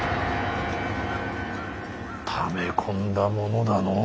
ため込んだものだのう。